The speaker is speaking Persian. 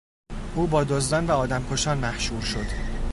او با دزدان و آدمکشان محشور شد.